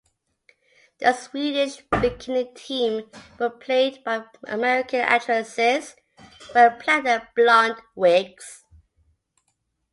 The Swedish Bikini Team were played by American actresses wearing platinum blonde wigs.